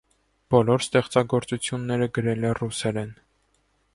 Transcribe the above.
Բոլոր ստեղծագործությունները գրել է ռուսերեն։